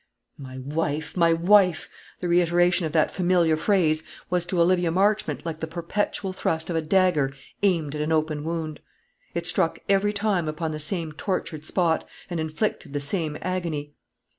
"My wife! my wife!" The reiteration of that familiar phrase was to Olivia Marchmont like the perpetual thrust of a dagger aimed at an open wound. It struck every time upon the same tortured spot, and inflicted the same agony.